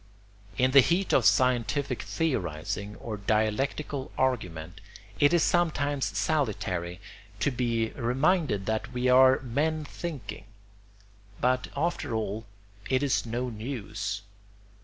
In the heat of scientific theorising or dialectical argument it is sometimes salutary to be reminded that we are men thinking; but, after all, it is no news.